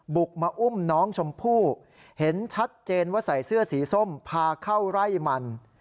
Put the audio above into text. บุกมาอุ้มน้องชมพู่เห็นชัดเจนว่าใส่เสื้อสีส้มพาเข้าไร่มัน